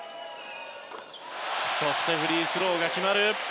フリースローが決まる。